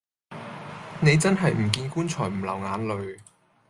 你真係唔見棺材唔流眼淚